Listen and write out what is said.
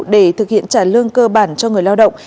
để thực hiện trả lương cơ bản cho người lao động